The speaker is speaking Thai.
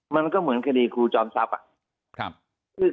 มันก็เหมือนคดีครูจอมทรัพย์